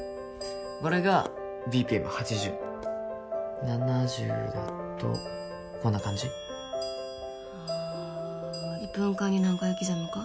これがＢＰＭ８０７０だとこんな感じああ１分間に何回刻むか？